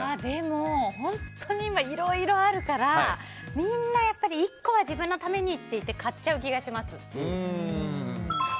でも本当に今いろいろあるからみんなやっぱり１個は自分のためにっていって買っちゃう気がします。